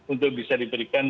untuk bisa diberikan